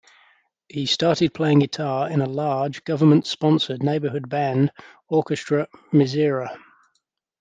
He started playing guitar in a large, government-sponsored neighborhood band, Orchestre Misira.